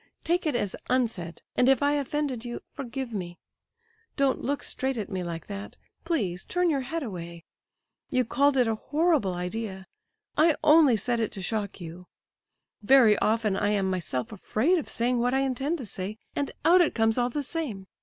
Take it as unsaid, and if I offended you, forgive me. Don't look straight at me like that, please; turn your head away. You called it a 'horrible idea'; I only said it to shock you. Very often I am myself afraid of saying what I intend to say, and out it comes all the same.